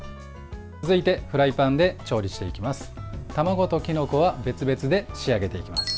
続いて、フライパンで調理していきます。